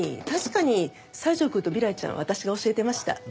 確かに西條くんと未来ちゃんは私が教えてました。